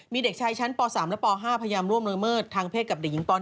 มีเด็กชายชั้นป๓และป๕พยายามร่วมละเมิดทางเพศกับเด็กหญิงป๑